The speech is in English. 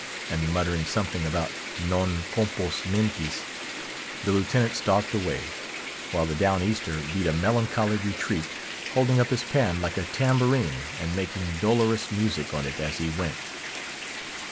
and muttering something about non compos mentis, the Lieutenant stalked away; while the Down Easter beat a melancholy retreat, holding up his pan like a tambourine, and making dolorous music on it as he went.